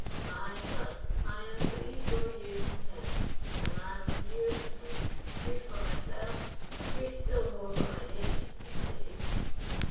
"My son, I am threescore years and ten a man of years and grief grief for myself, grief still more for my nation and city.